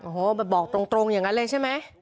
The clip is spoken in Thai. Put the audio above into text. โอ้โหแบบบอกตรงอย่างนั้นเลยใช่ไหม